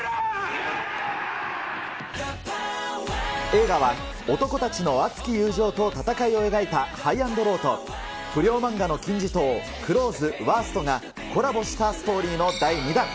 映画は男たちの熱き友情と戦いを描いたＨｉＧＨ＆ＬＯＷと、不良漫画の金字塔、クローズ、ＷＯＲＳＴがコラボしたストーリーの第２弾。